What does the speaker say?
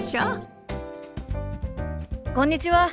こんにちは。